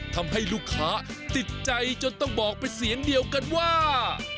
ทำให้ลูกค้าติดใจจนต้องบอกเป็นเสียงเดียวกันว่า